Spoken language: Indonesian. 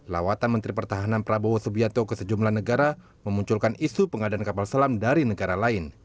lawatan menteri pertahanan prabowo subianto ke sejumlah negara memunculkan isu pengadaan kapal selam dari negara lain